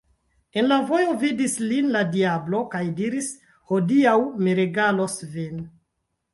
En la vojo vidis lin la diablo kaj diris: « Hodiaŭ mi regalos vin.